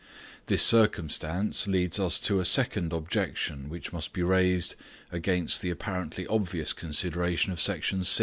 This circumstance leads us to a second objection which must be raised against the apparently obvious consideration of Section 6.